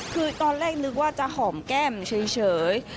คือตอนแรกนึกว่าจะหอมแก้มเฉย